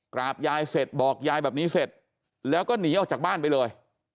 กราบยายเสร็จบอกยายแบบนี้เสร็จแล้วก็หนีออกจากบ้านไปเลย